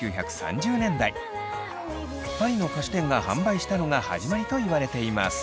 パリの菓子店が販売したのが始まりといわれています。